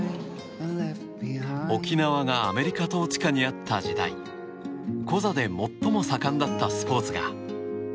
沖縄がアメリカ統治下にあった時代コザで最も盛んだったスポーツが。